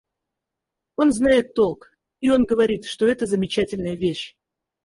Он знает толк, и он говорит, что это замечательная вещь.